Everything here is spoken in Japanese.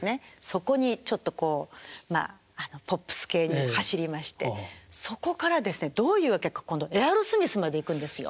そこにちょっとこうまあポップス系に走りましてそこからですねどういう訳か今度エアロスミスまで行くんですよ。